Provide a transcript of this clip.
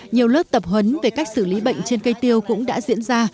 nhiều lớp tập huấn về cách xử lý bệnh trên cây tiêu cũng đã diễn ra